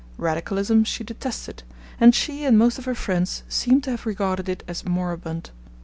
Radicalism she detested, and she and most of her friends seem to have regarded it as moribund.